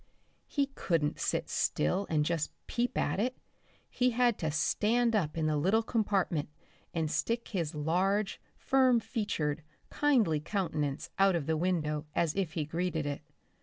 He couldn't sit still and just peep at it, he had to stand up in the little compartment and stick his large, firm featured, kindly countenance out of the window as if he greeted it.